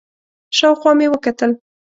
شاوخوا مې وکتل،